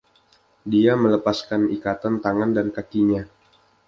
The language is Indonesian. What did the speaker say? Dia melepaskan ikatan tangan dan kakinya.